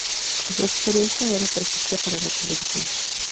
Su experiencia era perfecta para la televisión.